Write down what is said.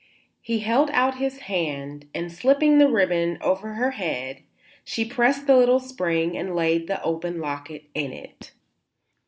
He held out his hand, and slipping the ribbon over her head she pressed the little spring and laid the open locket in it.